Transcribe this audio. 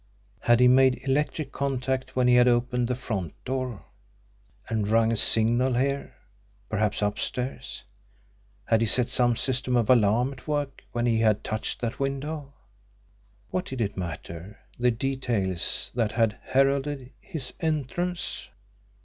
Had he made electric contact when he had opened the front door, and rung a signal here, perhaps, upstairs had he set some system of alarm at work when he had touched that window? What did it matter the details that had heralded his entrance?